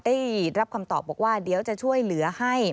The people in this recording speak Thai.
ได้รับคำตอบบอกว่าเดี๋ยวจะช่วยเหลือให้